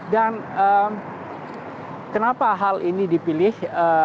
dan kenapa hal ini dipilih